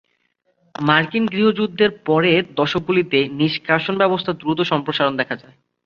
মার্কিন গৃহযুদ্ধের পরের দশকগুলিতে নিষ্কাশন ব্যবস্থার দ্রুত সম্প্রসারণ দেখা যায়।